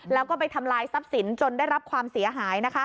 แล้วก็ไปทำลายทรัพย์สินจนได้รับความเสียหาย